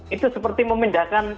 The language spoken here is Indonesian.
itu seperti memindahkan